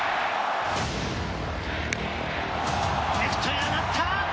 レフトへ上がった！